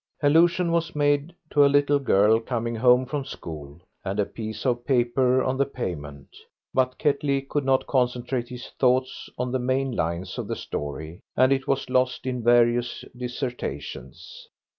Allusion was made to a little girl coming home from school, and a piece of paper on the pavement. But Ketley could not concentrate his thoughts on the main lines of the story, and it was lost in various dissertations.